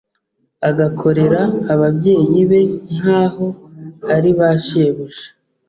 agakorera ababyeyi be nk’aho ari ba shebuja